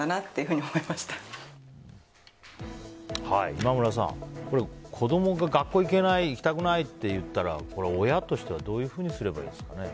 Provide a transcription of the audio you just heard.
今村さん子供が学校に行けない行きたくないって言ったら親としてはどういうふうにすればいいですか。